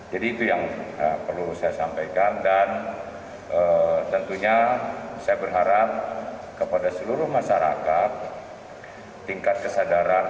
jadi itu yang perlu saya sampaikan dan tentunya saya berharap kepada seluruh masyarakat tingkat kesadaran